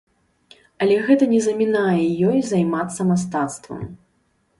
Але гэта не замінае ёй займацца мастацтвам.